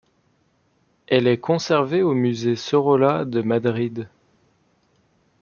Elle est conservée au Musée Sorolla de Madrid.